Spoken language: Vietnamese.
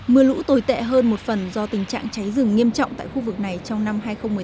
mưa lũ tồi tệ hơn một phần do tình trạng cháy rừng nghiêm trọng tại khu vực này trong năm hai nghìn một mươi tám